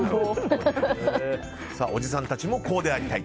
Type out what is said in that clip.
おじさんたちもこうでありたい。